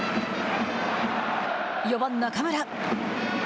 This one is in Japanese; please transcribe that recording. ４番中村。